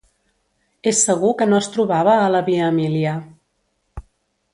És segur que no es trobava a la Via Emília.